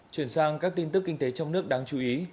chuyển sang các tin tức kinh tế trong nước đáng chú ý